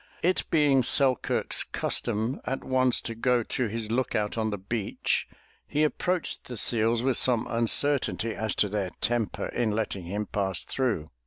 It being Selkirk's custom at once to go to his look out on the beach, he approached the seals with some uncertainty as to their temper in letting him pass through.